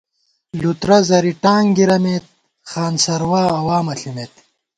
لُترہ زری ٹانک گِرَمېت ، خانسروا عوامہ ݪمېت